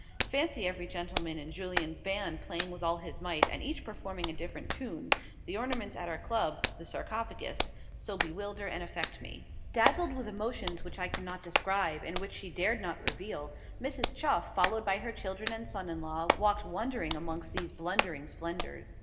Fancy every gentleman in Jullien's band playing with all his might, and each performing a different tune; the ornaments at our Club, the 'Sarcophagus,' so bewilder and affect me. Dazzled with emotions which I cannot describe, and which she dared not reveal, Mrs. Chuff, followed by her children and son in law, walked wondering amongst these blundering splendours.